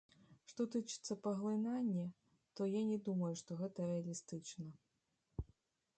Што тычыцца паглынання, то я не думаю, што гэта рэалістычна.